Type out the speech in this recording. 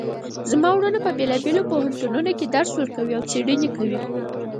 زما وروڼه په بیلابیلو پوهنتونونو کې درس ورکوي او څیړنې کوی